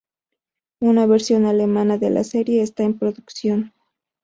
Una versión alemana de la serie está en producción.